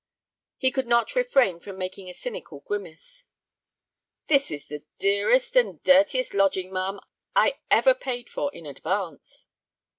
He could not refrain from making a cynical grimace. "This is the dearest and the dirtiest lodging, ma'am, I ever paid for in advance."